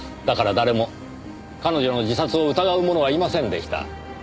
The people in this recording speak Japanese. だから誰も彼女の自殺を疑う者はいませんでした。